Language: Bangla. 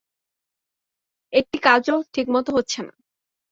একটি কাজও ঠিকমতো হচ্ছে না।